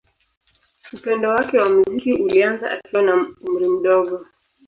Upendo wake wa muziki ulianza akiwa na umri mdogo.